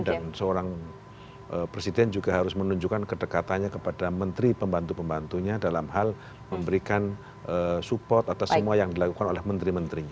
dan seorang presiden juga harus menunjukkan kedekatannya kepada menteri pembantu pembantunya dalam hal memberikan support atas semua yang dilakukan oleh menteri menterinya